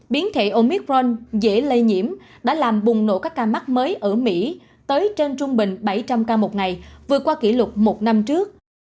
biến thể omicron dễ lây nhiễm đã làm bùng nổ các ca mắc mới ở mỹ tới trên trung bình bảy trăm linh ca một ngày vừa qua kỷ lục một năm trước